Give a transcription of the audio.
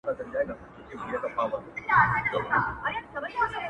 هيواد مي هم په ياد دى,